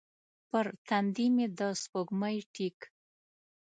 پر تندې مې د سپوږمۍ ټیک